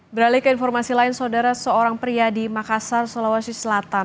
beralih ke informasi lain saudara seorang pria di makassar sulawesi selatan